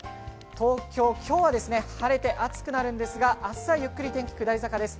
東京、今日は晴れて暑くなるんですが、明日はゆっくり天気が下り坂です。